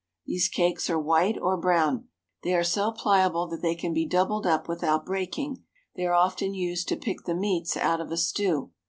These cakes are white or brown. They are so pliable that they can be doubled up without breaking. They are often used to pick the meats out of a stew.